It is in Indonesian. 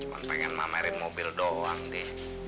cuma pengen mama erin mobil doang deh